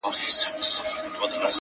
زما د تصور لاس در غځيږي گرانـي تــــاته،